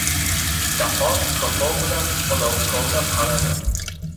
Daho kosov bilan olov kovlab qaradi.